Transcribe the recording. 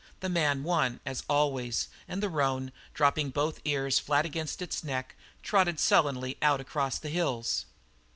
The man won, as always, and the roan, dropping both ears flat against its neck, trotted sullenly out across the hills.